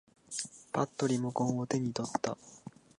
ぱっとリモコンを手に取った。